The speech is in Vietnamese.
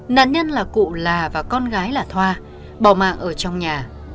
nạn nhân là cụ là và con gái là thoa bỏ mạng ở trong nhà